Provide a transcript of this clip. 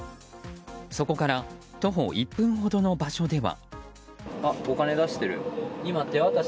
そこから徒歩１分ほどの場所では。